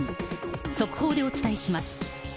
速報でお伝えします。